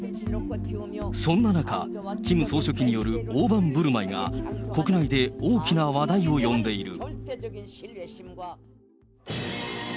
そんな中、キム総書記による大盤振る舞いが国内で大きな話題を呼んでいる。